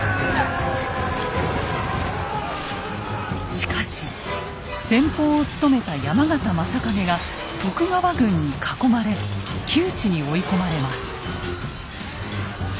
しかし先鋒を務めた山県昌景が徳川軍に囲まれ窮地に追い込まれます。